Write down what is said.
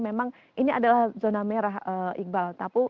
memang ini adalah zona merah iqbal